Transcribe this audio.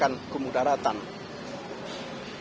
dan kemudaratan akan selalu mendatangkan kemudaratan